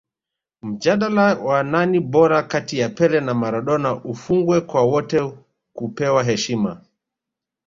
mjadala wa nani bora kati ya pele na maradona ufungwe kwa wote kupewa heshima